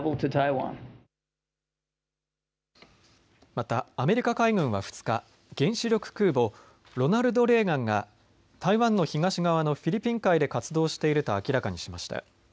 またアメリカ海軍は２日、原子力空母ロナルド・レーガンが台湾の東側のフィリピン海で活動していると明らかにしました。